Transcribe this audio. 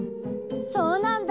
そうなんだ。